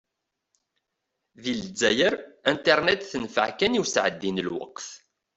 Di lezzayer, Internet tenfeε kan i usεeddi n lweqt.